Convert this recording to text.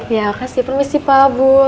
iya makasih permisi pak bu